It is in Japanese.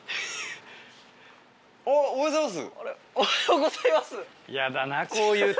おはようございます。